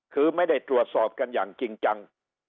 คือไม่ได้ตรวจสอบกันอย่างจริงจัง